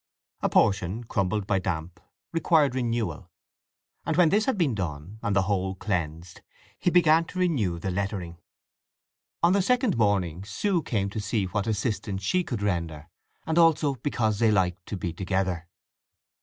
A portion, crumbled by damp, required renewal; and when this had been done, and the whole cleansed, he began to renew the lettering. On the second morning Sue came to see what assistance she could render, and also because they liked to be together.